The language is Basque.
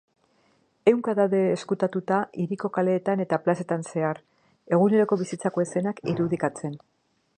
Ehunka daude ezkutatuta hiriko kaleetan eta plazetan zehar, eguneroko bizitzako eszenak irudikatzen.